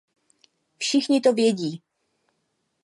Všichni to vědí.